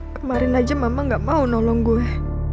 kemarin aja mama gak mau nolong gue